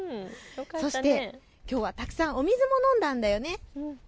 そして、きょうはたくさん、お水も飲んだんだよね。